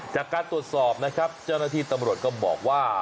จากการตรวจสอบนะครับเจ้าหน้าที่ตำรวจก็บอกว่า